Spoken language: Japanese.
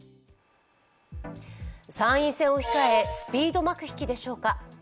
参院選を控えスピード幕引きでしょうか。